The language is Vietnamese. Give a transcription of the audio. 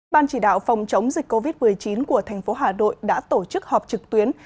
ban chỉ đạo phòng chống dịch covid một mươi chín của thành phố hà nội đã tổ chức họp trực tuyến